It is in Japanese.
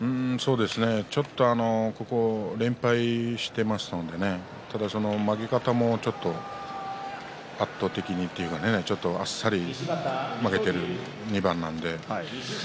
ちょっとここ連敗していますので負け方も、ちょっと圧倒的にというかあっさり負けている２番なので。